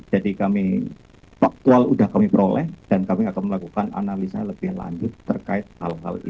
jadi kami faktual sudah kami peroleh dan kami akan melakukan analisa lebih lanjut terkait hal hal ini